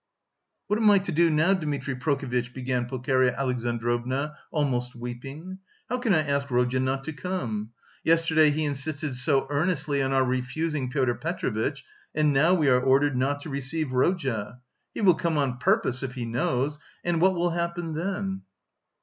"What am I to do now, Dmitri Prokofitch?" began Pulcheria Alexandrovna, almost weeping. "How can I ask Rodya not to come? Yesterday he insisted so earnestly on our refusing Pyotr Petrovitch and now we are ordered not to receive Rodya! He will come on purpose if he knows, and... what will happen then?"